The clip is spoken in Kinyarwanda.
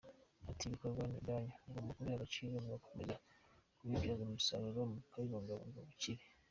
Ati “Ibi bikorwa ni ibyanyu, mugomba kubiha agaciro gakomeye, mukabibyaza umusaruro, mukabikuramo ubukire.